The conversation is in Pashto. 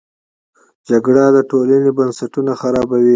جګړه د ټولنې بنسټونه خرابوي